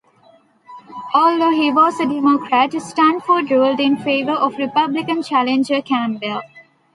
Although he was a Democrat, Stanford ruled in favor of Republican challenger Campbell.